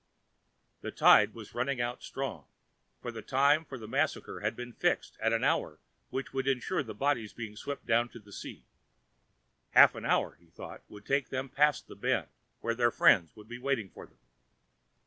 The tide was running out strong, for the time for the massacre had been fixed at an hour which would ensure the bodies being swept down to the sea. Half an hour would, he thought, take them past the bend, where their friends would be waiting for them.